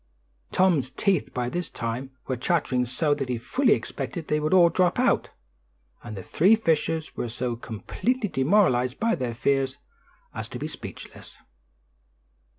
Tom's teeth by this time were chattering so that he fully expected they would all drop out, and the three fishers were so completely demoralized by their fears as to be speechless.